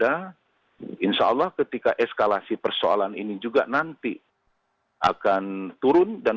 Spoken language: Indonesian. dan insya allah ketika eskalasi persoalan ini juga nanti akan turun dan meresapkan